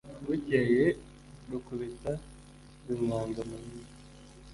bukeye Rukubita bimwanga mu nda